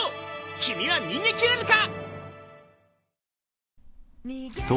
君は逃げ切れるか！？